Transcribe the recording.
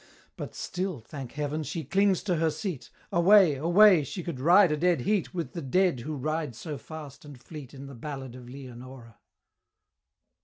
But still, thank Heaven! she clings to her seat Away! away! she could ride a dead heat With the Dead who ride so fast and fleet, In the Ballad of Leonora!